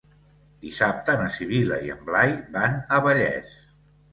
Dissabte na Sibil·la i en Blai van a Vallés.